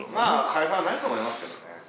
解散はないと思いますけどね。